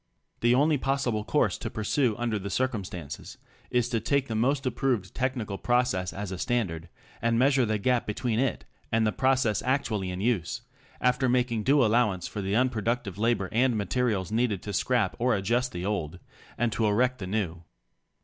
The only possible course to pursue under the circumstances is to take the most approved technical pro cess as a standard, and measure the gap between it and the process actually in use, after making due allowance for the unproductive labor and materials needed to scrap or adjust the old, and to erect the new.